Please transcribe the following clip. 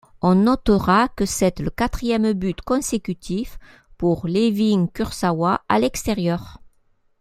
On notera que c'est le quatrième but consécutif pour Layvin Kurzawa à l'extérieur.